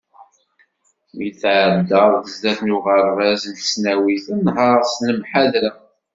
Mi d-tɛeddaḍ sdat n uɣerbaz d tesnawit, nher s lemḥadra.